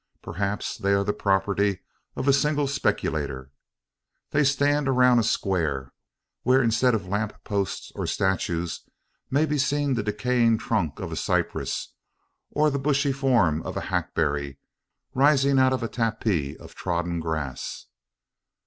Perhaps they are the property of a single speculator. They stand around a "square," where, instead of lamp posts or statues, may be seen the decaying trunk of a cypress, or the bushy form of a hackberry rising out of a tapis of trodden grass.